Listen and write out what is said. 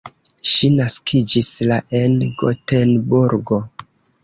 Ŝi naskiĝis la en Gotenburgo.